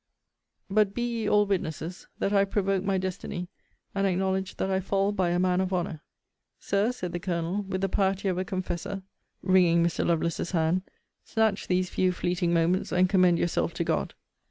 But be ye all witnesses, that I have provoked my destiny, and acknowledge that I fall by a man of honour. Sir, said the Colonel, with the piety of a confessor, (wringing Mr. Lovelace's hand,) snatch these few fleeting moments, and commend yourself to God.